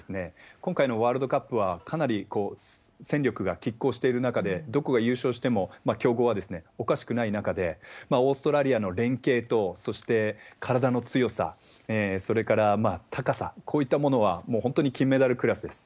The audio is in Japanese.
今回のワールドカップはかなり戦力がきっ抗している中で、どこが優勝しても強豪は、おかしくない中で、オーストラリアの連係と、そして体の強さ、それから高さ、こういったものはもう本当に金メダルクラスです。